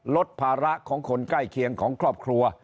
ลดภาระของคนใกล้เคียงของครอบครัว